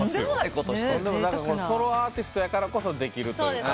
ソロアーティストやからこそできるというか。